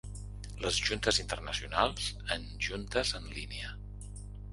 Les juntes internacionals, en juntes en línia.